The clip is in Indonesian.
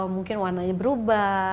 mungkin warnanya berubah